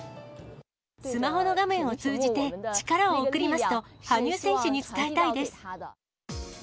スマホの画面を通じて、力を送りますと、羽生選手に伝えたいです。